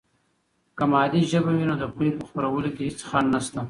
که مادي ژبه وي، نو د پوهې په خپرولو کې هېڅ خنډ نسته.